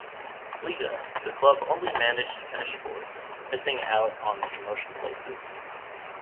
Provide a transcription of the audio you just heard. Liga, the club only managed to finish fourth, missing out on the promotion places.